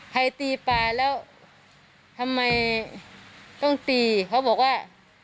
ตีปลาแล้วทำไมต้องตีเขาบอกว่า